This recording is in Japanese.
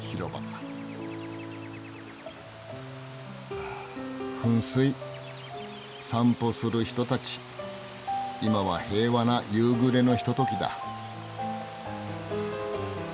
あ噴水散歩する人たち今は平和な夕暮れのひとときだ。